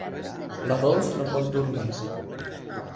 La Dols no pot dormir.